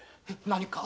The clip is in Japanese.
何か？